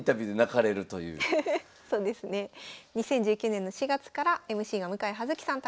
２０１９年の４月からＭＣが向井葉月さん